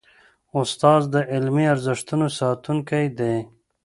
استاد د علمي ارزښتونو ساتونکی دی.